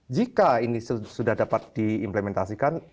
jika ini sudah dapat diimplementasikan